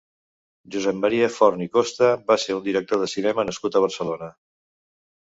Josep Maria Forn i Costa va ser un director de cinema nascut a Barcelona.